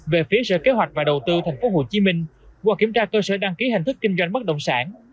về phía sở kế hoạch và đầu tư tp hcm qua kiểm tra cơ sở đăng ký hình thức kinh doanh bất động sản